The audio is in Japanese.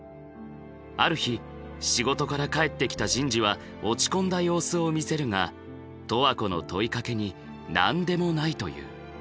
ある日仕事から帰ってきた陣治は落ち込んだ様子を見せるが十和子の問いかけに「なんでもない」と言う。